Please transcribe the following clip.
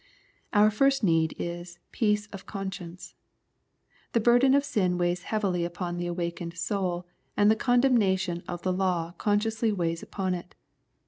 Our first need is feace of conscience. The burden of sin weighs heavily upon the awakened soul, and the condemnation of the law consciously weighs upon it.